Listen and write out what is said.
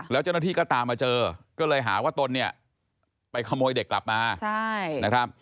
แล้วเจ้าหน้าที่ก็ตามมาเจอก็เลยหาว่าตนเนี่ยไปขโมยเด็กกลับมานะครับ